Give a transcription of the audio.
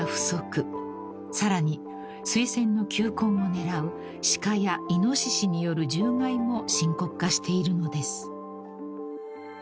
［さらにスイセンの球根を狙う鹿やイノシシによる獣害も深刻化しているのです］